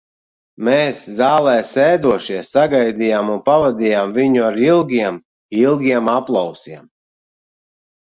Mēs, zālē sēdošie, sagaidījām un pavadījām viņu ar ilgiem, ilgiem aplausiem.